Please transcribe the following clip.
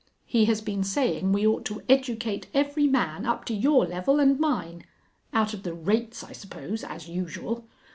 He has been saying we ought to educate every man up to your level and mine out of the rates, I suppose, as usual.